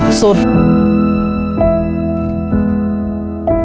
ด้วยความตุดข่าว